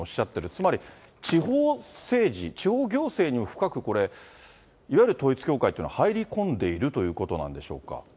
つまり地方政治、地方行政にも深く、いわゆる統一教会というのは入り込んでいるということなんでしょうか。